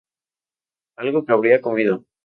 Algo que habría comido.